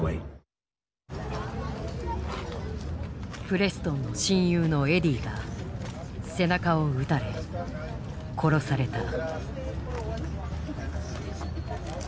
プレストンの親友のエディが背中を撃たれ殺された。